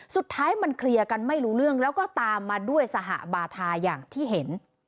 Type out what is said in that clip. สุดท้ายมันเคลียร์กันไม่รู้เรื่องแล้วก็ตามมาด้วยสหบาทาอย่างที่เห็น